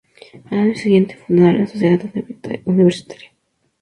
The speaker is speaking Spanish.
Al año siguiente funda la Sociedad Universitaria.